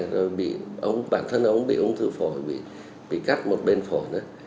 rồi bị bản thân ông bị ung thư phổi bị cắt một bên phổi nữa